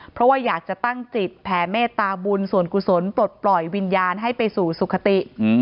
เพราะว่าอยากจะตั้งจิตแผ่เมตตาบุญส่วนกุศลปลดปล่อยวิญญาณให้ไปสู่สุขติ